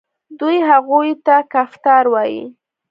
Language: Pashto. دوی هغوی ته کفتار وايي.